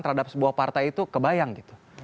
terhadap sebuah partai itu kebayang gitu